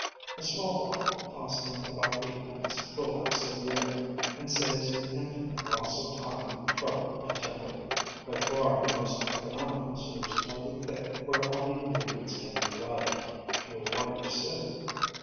A small bottle, costing about eightpence, will last a year, and saves an infinite loss of time, trouble, and temper. By far the most economical soups are the thick, where all the ingredients can be rubbed through a wire sieve.